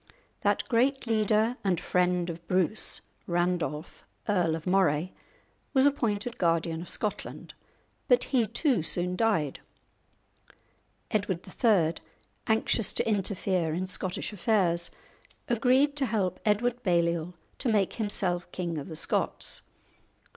That great leader and friend of Bruce, Randolph, Earl of Moray, was appointed Guardian of Scotland, but he too soon died. Edward III., anxious to interfere in Scottish affairs, agreed to help Edward Balliol to make himself king of the Scots.